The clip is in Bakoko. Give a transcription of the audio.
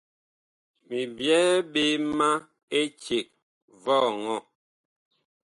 Mi byɛɛ ɓe ma eceg vɔŋɔ.